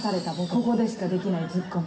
ここでしかできないツッコミ」